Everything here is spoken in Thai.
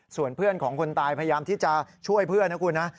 ส่วนเพื่อนของคนตายพยายามที่จะช่วยเพื่อนนะคุณนะ